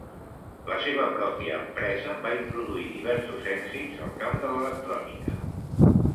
La seva pròpia empresa va introduir diversos èxits al camp de l"electrònica.